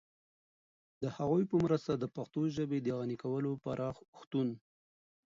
د هغوی په مرسته د پښتو ژبې د غني کولو پراخ اوښتون